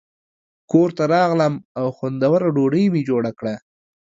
کور ته راغلم او خوندوره ډوډۍ مې جوړه کړه.